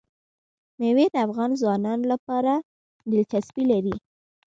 مېوې د افغان ځوانانو لپاره دلچسپي لري.